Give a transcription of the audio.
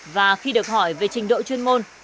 và khi được hỏi về trình độ chuyên môn